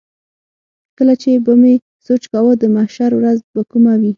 کله چې به مې سوچ کاوه د محشر ورځ به کومه وي.